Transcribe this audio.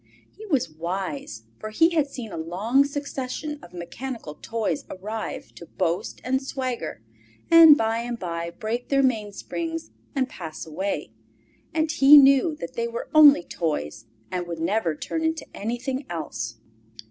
He was wise, for he had seen a long succession of mechanical toys arrive to boast and swagger, and by and by break their mainsprings and pass away, and he knew that they were only toys, and would never turn into anything else.